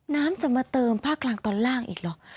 น้ำจะมาเติมภาคกลางตอนล่างอีกเหรอ